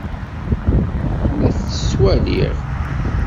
La tt-ttwaliɣ.